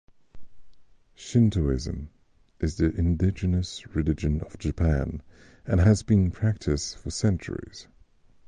Shintoism is the indigenous religion of Japan and has been practiced for centuries.